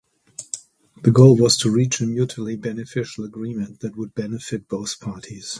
The goal was to reach a mutually beneficial agreement that would benefit both parties.